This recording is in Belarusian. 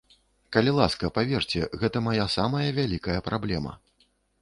Калі ласка, паверце, гэта мая самая вялікая праблема.